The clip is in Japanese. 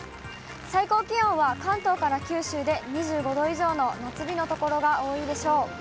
最高気温は関東から九州で２５度以上の夏日の所が多いでしょう。